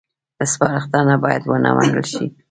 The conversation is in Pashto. سپارښتنه باید ونه منل شي